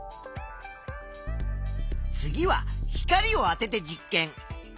次は光をあてて実験。